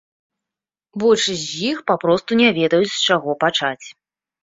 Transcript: Большасць з іх папросту не ведаюць, з чаго пачаць.